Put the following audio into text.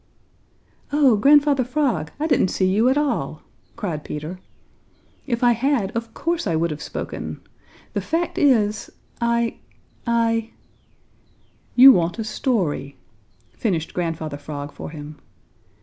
"Oh, Grandfather Frog, I didn't see you at all!" cried Peter, "If I had, of course I would have spoken. The fact is, I I " "You want a story," finished Grandfather Frog for him.